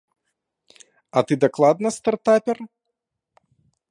А ты дакладна стартапер?